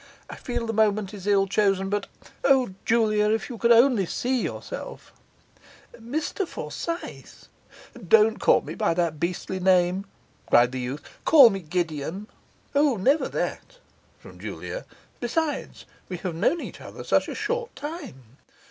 I feel the moment is ill chosen; but O, Julia, if you could only see yourself!' 'Mr Forsyth ' 'Don't call me by that beastly name!' cried the youth. 'Call me Gideon!' 'O, never that,' from Julia. 'Besides, we have known each other such a short time.